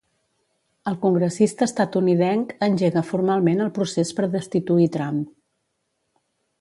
El congressista estatunidenc engega formalment el procés per destituir Trump.